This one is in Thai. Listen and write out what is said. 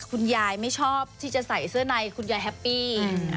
ไม่ชอบที่จะใส่เสื้อในคุณยายแฮปปี้